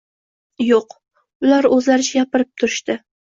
yo‘q, ular o‘zlaricha gapirishib turdi.